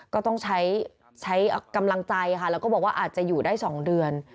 ก็ต้องใช้กำลังใจค่ะแล้วก็บอกว่าอาจจะอยู่ได้๒เดือน